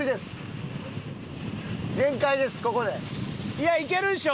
いやいけるでしょ